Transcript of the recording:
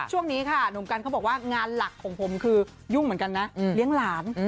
ช่วงนี้ค่ะหนุ่มกันเขาบอกว่างานหลักของผมคือยุ่งเหมือนกันนะเลี้ยงหลาน